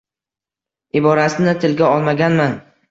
Iborasini tilga olmaganman.